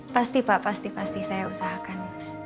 pasti pak pasti pasti saya usahakan